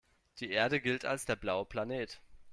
Die Erde gilt als der „blaue Planet“.